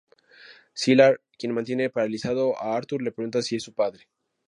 Sylar, quien mantiene paralizado a Arthur le pregunta si es su padre.